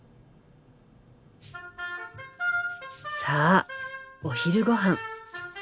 さあお昼ごはん。